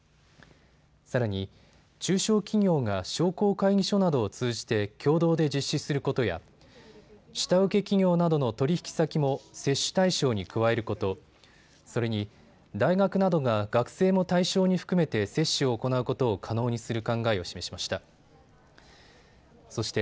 さらに中小企業が商工会議所などを通じて共同で実施することや下請け企業などの取引先も接種対象に加えること、それに大学などが学生も対象に含めて接種を行うことを可能にする考えを示しました。